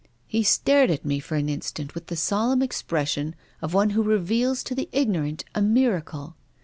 " He stared at me for an instant with the solemn expression of one who reveals to the ignorant a miracle.